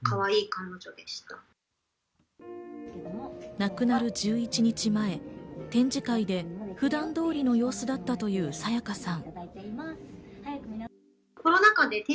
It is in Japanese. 亡くなる１１日前、展示会で普段通りの様子だったという沙也加さん。